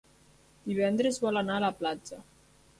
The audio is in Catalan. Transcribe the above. Divendres vol anar a la platja.